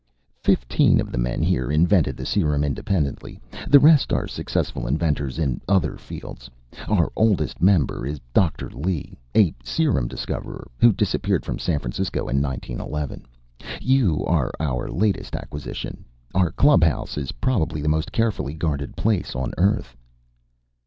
"Fifteen of the men here invented the serum independently. The rest are successful inventors in other fields. Our oldest member is Doctor Li, a serum discoverer, who disappeared from San Francisco in 1911. You are our latest acquisition. Our clubhouse is probably the most carefully guarded place on Earth."